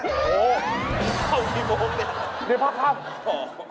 เหรอวรี่โฟกนะเดี๋ยวพับโอ้โฮ